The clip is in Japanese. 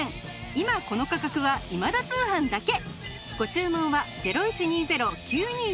今この価格は『今田通販』だけ！